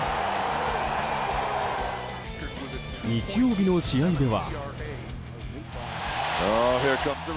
日曜日の試合では。